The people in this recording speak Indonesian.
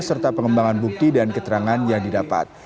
serta pengembangan bukti dan keterangan yang didapat